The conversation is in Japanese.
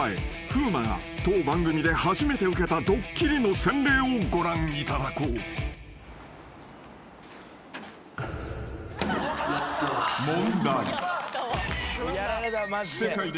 ［風磨が当番組で初めて受けたドッキリの洗礼をご覧いただこう］問題。